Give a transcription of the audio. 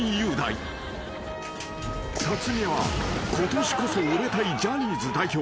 ［辰巳はことしこそ売れたいジャニーズ代表］